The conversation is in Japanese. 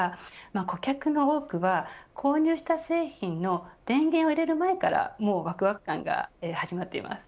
顧客の多くは購入した製品の電源を入れる前からもう、わくわく感が始まっています。